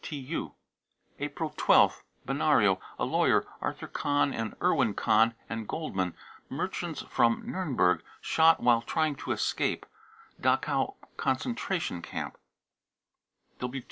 (TU.) % April 1 2th. benario, a lawyer, Arthur kahn and erwin kahn, and goldmann, merchants from Nurnberg, shot " while trying to escape," Dachau concentration camp.